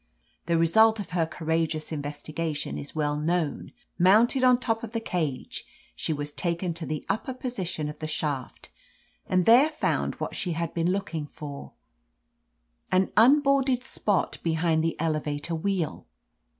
''The result of her courageous investigation is well known : mounted on top of the cage, she was taken to the upper position of the shaft, and there found what she had been looking for, an unboorded ^)ot behind the elevator wheel.